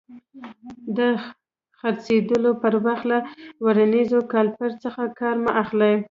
د څرخېدلو پر وخت له ورنیر کالیپر څخه کار مه اخلئ.